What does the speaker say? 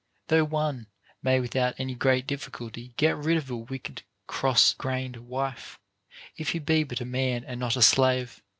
Though one may without any great difficulty get rid of a wicked cross grained wife, if he be but a man and not a slave.